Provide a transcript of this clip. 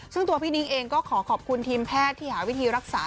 ซึ่งตัวพี่นิ้งเองก็ขอขอบคุณทีมแพทย์ที่หาวิธีรักษา